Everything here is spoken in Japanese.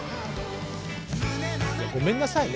ごめんなさいね